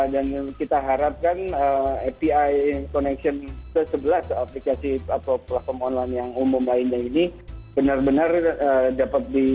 dan kita harapkan api connection ke sebelah aplikasi atau platform online yang umum lainnya ini benar benar dapat dilakukan